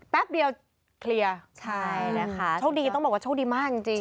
แป๊บเดียวเคลียร์ใช่นะคะโชคดีต้องบอกว่าโชคดีมากจริงจริง